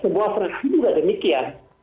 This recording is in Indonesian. sebuah fraksi juga demikian